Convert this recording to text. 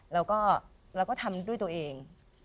เราก็ทำด้วยตัวเอง